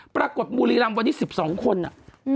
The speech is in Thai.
บุรีรำวันนี้๑๒คนอ่ะ